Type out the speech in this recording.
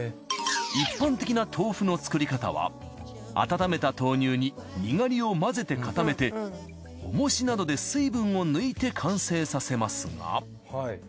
一般的な豆腐の作り方は温めた豆乳ににがりを混ぜて固めて重石などで水分を抜いて完成させますが。